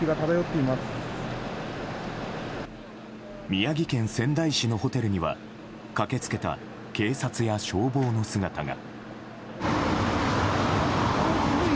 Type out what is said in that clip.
宮城県仙台市のホテルには駆け付けた警察や消防の姿が。